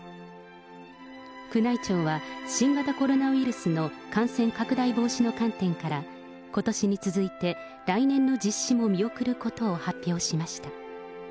宮内庁は、新型コロナウイルスの感染拡大防止の観点から、ことしに続いて来年の実施も見送ることを発表しました。